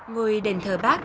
ngôi đền thờ bác